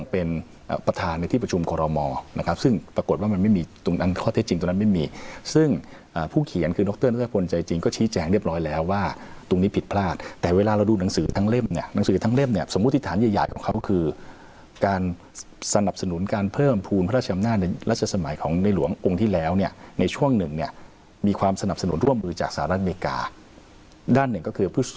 เป็นใจจริงก็ชี้แจงเรียบร้อยแล้วว่าตรงนี้ผิดพลาดแต่เวลาเราดูหนังสือทั้งเล่มเนี้ยหนังสือทั้งเล่มเนี้ยสมมุติฐานใหญ่ใหญ่ของเขาคือการสนับสนุนการเพิ่มภูมิพระราชยำนาจในรัชสมัยของในหลวงองค์ที่แล้วเนี้ยในช่วงหนึ่งเนี้ยมีความสนับสนุนร่วมมือจากสหรัฐอเมริกาด้านหนึ่งก็